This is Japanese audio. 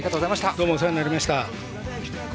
どうもお世話になりました。